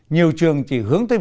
nhiều trường chỉ hướng tới việt nam